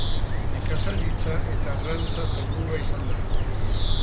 Nekazaritza eta Arrantza sailburua izan da.